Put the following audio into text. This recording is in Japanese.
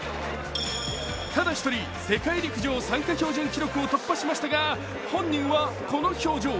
ただ１人、世界陸上参加標準記録を突破しましたが本人は、この表情。